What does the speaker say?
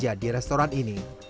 dia bekerja di restoran ini